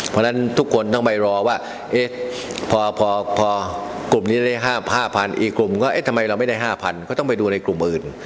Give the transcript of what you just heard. เพราะฉะนั้นทุกคนต้องไปรอว่าพอกลุ่มนี้ได้๕๐๐อีกกลุ่มก็เอ๊ะทำไมเราไม่ได้๕๐๐ก็ต้องไปดูในกลุ่มอื่น